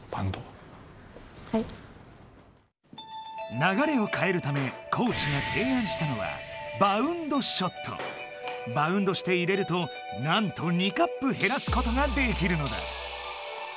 ながれをかえるためコーチがていあんしたのはバウンドして入れるとなんと２カップへらすことができるのだ！